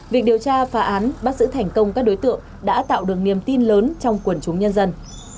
việc điều tra phá án bắt giữ thành công các đối tượng đã tạo được niềm tin lớn trong quần chúng nhân dân